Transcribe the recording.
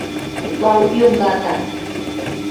Утлаок йонгата